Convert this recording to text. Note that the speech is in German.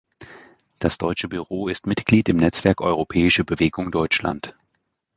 Das deutsche Büro ist Mitglied im Netzwerk Europäische Bewegung Deutschland.